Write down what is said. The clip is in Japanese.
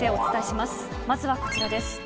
まずはこちらです。